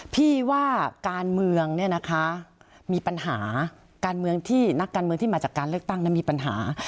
พี่ว่าการเมืองมีปัญหานักการเมืองที่มาจากการเลือกตั้งมีปัญหา